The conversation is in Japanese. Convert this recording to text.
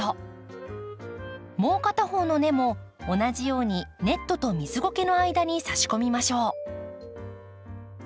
もう片方の根も同じようにネットと水ごけの間に差し込みましょう。